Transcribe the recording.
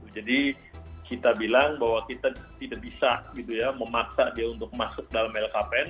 jadi kita bilang bahwa kita tidak bisa memaksa dia untuk masuk dalam lhkpn